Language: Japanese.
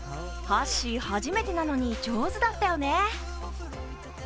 ハッシー、初めてなのに上手だったよね。